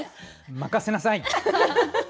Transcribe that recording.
任せなさい！